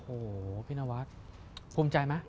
โหพี่นวัสภูมิใจไหม